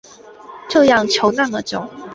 这样求那么久